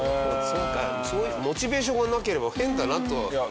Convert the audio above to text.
そういうモチベーションがなければ変だなとは。